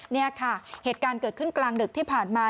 นี่ค่ะเหตุการณ์เกิดขึ้นกลางดึกที่ผ่านมา